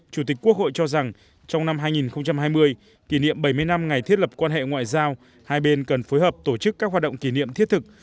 chủ tịch quốc hội cho rằng trong năm hai nghìn hai mươi kỷ niệm bảy mươi năm ngày thiết lập quan hệ ngoại giao hai bên cần phối hợp tổ chức các hoạt động kỷ niệm thiết thực